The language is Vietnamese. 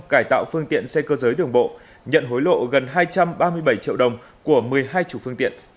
cải tạo phương tiện xe cơ giới đường bộ nhận hối lộ gần hai trăm ba mươi bảy triệu đồng của một mươi hai chủ phương tiện